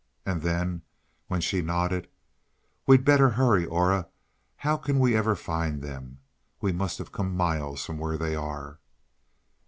And then when she nodded: "We'd better hurry, Aura. How can we ever find them? We must have come miles from where they are."